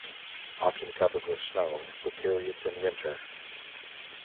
Often covered with snow for periods in winter.